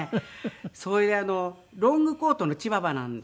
それでロングコートのチワワなんですけれども。